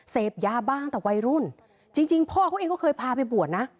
เสพยาบ้างแต่วัยรุ่นจริงพ่อเขาเองก็เคยพาไปบวชนะ